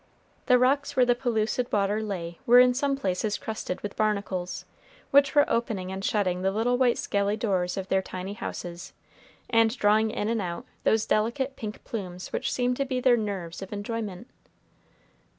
The rocks where the pellucid water lay were in some places crusted with barnacles, which were opening and shutting the little white scaly doors of their tiny houses, and drawing in and out those delicate pink plumes which seem to be their nerves of enjoyment.